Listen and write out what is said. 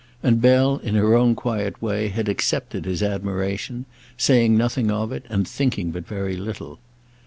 And Bell in her own quiet way had accepted his admiration, saying nothing of it and thinking but very little.